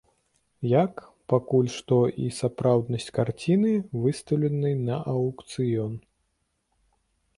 Як, пакуль што, і сапраўднасць карціны, выстаўленай на аўкцыён.